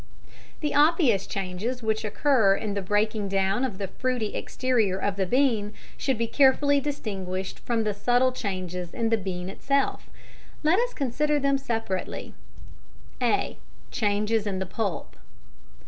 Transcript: The obvious changes which occur in the breaking down of the fruity exterior of the bean should be carefully distinguished from the subtle changes in the bean itself. Let us consider them separately: (a) _Changes in the Pulp.